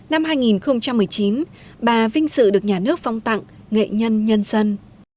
năm hai nghìn một mươi chín bà vinh sự được nhà nước phong tặng nghệ nhân nhân dân